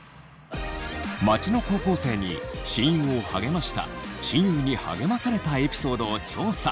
街の高校生に親友を励ました親友に励まされたエピソードを調査。